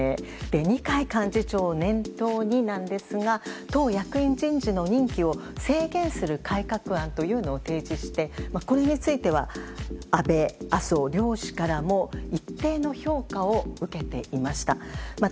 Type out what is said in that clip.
二階幹事長を念頭になんですが、党役員人事の任期を制限する改革案というのを提示して、これについては安倍、麻生両氏からも一定の評価を受けていました。